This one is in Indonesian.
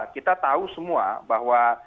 kita tahu semua bahwa